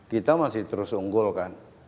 kita masih terus unggul kan